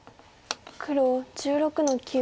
黒１６の九ツケ。